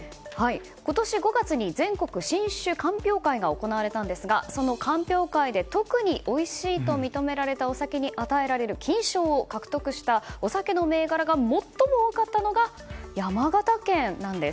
今年５月に全国新酒鑑評会が行われたんですがその鑑評会で特においしいと認められたお酒に与えられる金賞を獲得したお酒の銘柄が最も多かったのが山形県なんです。